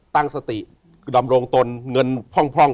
ตั้งสติดำรงตนเงินพร่อง